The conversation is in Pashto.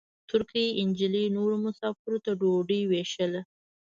ترکۍ نجلۍ نورو مساپرو ته ډوډۍ وېشله.